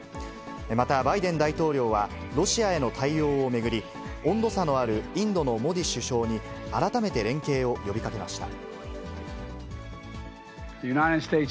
また、バイデン大統領はロシアへの対応を巡り、温度差のあるインドのモディ首相に、改めて連携を呼びかけました。